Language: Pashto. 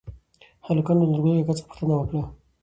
هلکانو له نورګل کاکا څخه پوښتنه وکړه؟